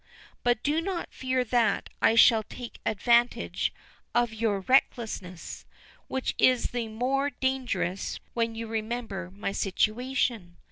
But do not fear that I shall take advantage of your recklessness, which is the more dangerous when you remember my situation.